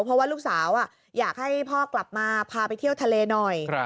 เพราะว่าลูกสาวอยากให้พ่อกลับมาพาไปเที่ยวทะเลหน่อย